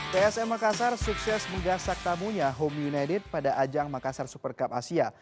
psm makassar sukses menggasak tamunya home united pada ajang makassar super cup asia